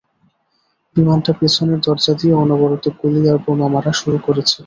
বিমানটা পেছনের দরজা দিয়ে অনবরত গুলি আর বোমা মারা শুরু করেছিল।